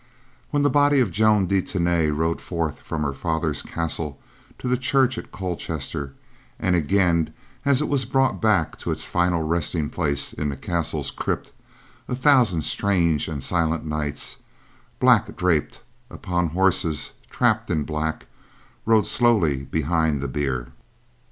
When the body of Joan de Tany rode forth from her father's castle to the church at Colchester, and again as it was brought back to its final resting place in the castle's crypt, a thousand strange and silent knights, black draped, upon horses trapped in black, rode slowly behind the bier.